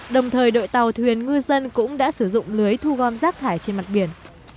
đồng thời đội tàu thuyền ngư dân cũng đã sử dụng lưới thu gom rác thải trên mặt biển